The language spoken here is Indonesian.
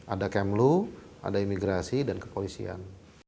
ada kemlu ada imigrasi dan kepolisian